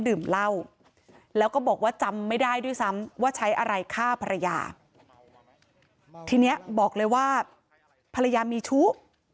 ดื่มเหล้าแล้วก็บอกว่าจำไม่ได้ด้วยซ้ำว่าใช้อะไรฆ่าภรรยาทีเนี้ยบอกเลยว่าภรรยามีชู้